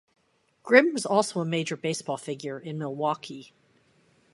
Grimm was also a major baseball figure in Milwaukee.